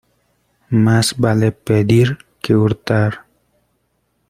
Más vale pedir que hurtar.